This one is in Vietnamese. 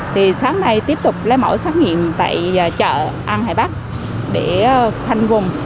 thì sáng nay tiếp tục lấy mẫu xét nghiệm tại chợ an hải bắc để khoanh vùng